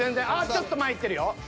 ちょっと前いってるよ。